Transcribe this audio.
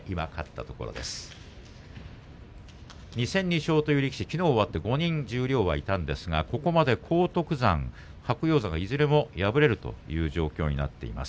２戦２勝という力士きのう終わって５人十両はいたんですがここまで荒篤山、白鷹山いずれも敗れるという状況になっています。